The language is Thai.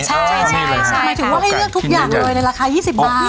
ใช่หมายถึงว่าให้เลือกทุกอย่างเลยในราคา๒๐บาท